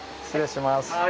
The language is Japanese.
失礼します。